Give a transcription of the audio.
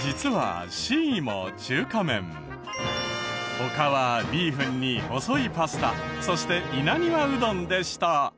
他はビーフンに細いパスタそして稲庭うどんでした。